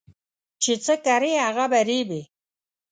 چي څه کرې ، هغه به رېبې.